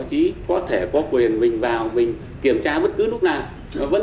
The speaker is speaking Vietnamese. thì chúng ta cứ lấy căn cứ là nếu như mà đều thống nhất trong đó là bảy ngày